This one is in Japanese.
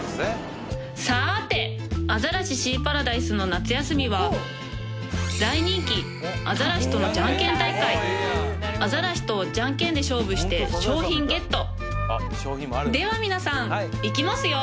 これ絶対にかわいい大人気アザラシとのじゃんけん大会アザラシとじゃんけんで勝負して賞品ゲットでは皆さんいきますよ